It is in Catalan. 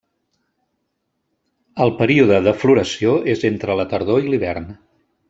El període de floració és entre la tardor i l'hivern.